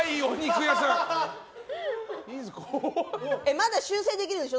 まだ修正できるんでしょ？